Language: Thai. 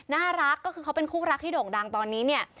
น่ารักก็คือเขาเป็นคู่รักที่โด่งดังตอนนี้เนี่ย